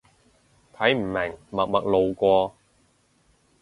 睇唔明，默默路過